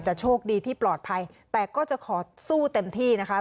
แต่โชคดีที่ปลอดภัยแต่ก็จะขอสู้เต็มที่นะคะ